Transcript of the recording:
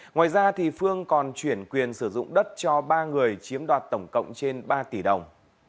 ngoài ra phương còn chuyển quyền sử dụng đất cho ba người chiếm đoạt tổng cộng trên ba tỷ đồng